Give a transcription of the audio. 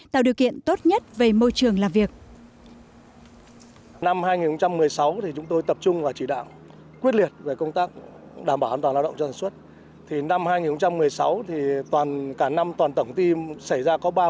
tạo điều kiện tốt nhất về môi trường làm việc